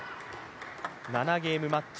７ゲームマッチ